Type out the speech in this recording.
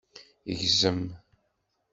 Gzem.